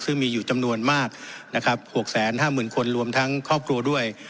ซึ่งมีอยู่จำนวนมากนะครับ๖๕๐๐๐คนรวมทั้งครอบครัวด้วย